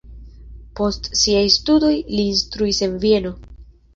Post siaj studoj li instruis en Vieno.